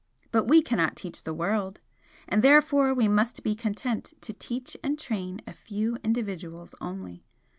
But we cannot teach the world, and therefore we must be content to teach and train a few individuals only.